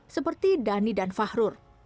seperti dhani dan fahrur